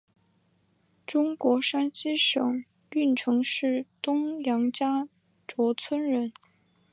中国山西省运城市东杨家卓村人。